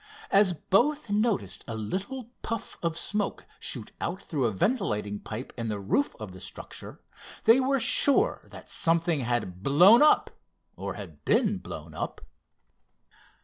As both noticed a little puff of smoke shoot out through a ventilating pipe in the roof of the structure, they were sure that something had blown up, or had been blown up.